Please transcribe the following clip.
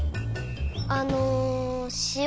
あのしお